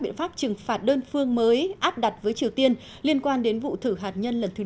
biện pháp trừng phạt đơn phương mới áp đặt với triều tiên liên quan đến vụ thử hạt nhân lần thứ năm